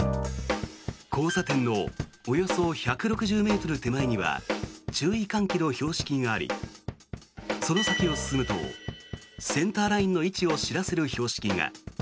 交差点のおよそ１６０ｍ手前には注意喚起の標識がありその先を進むとセンターラインの位置を知らせる標識が。